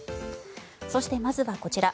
そしてまずはこちら。